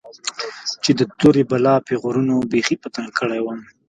چې د تورې بلا پيغورونو بيخي په تنگ کړى وم.